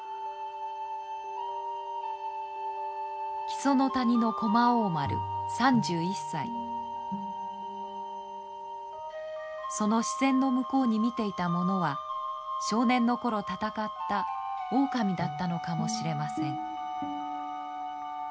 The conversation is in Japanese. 木曽の谷の駒王丸３１歳その視線の向こうに見ていたものは少年の頃戦った狼だったのかもしれません。